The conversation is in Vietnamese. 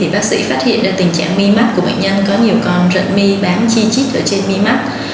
bác sĩ phát hiện được tình trạng mi mắt của bệnh nhân có nhiều con rợn mi bám chi chít ở trên mi mắt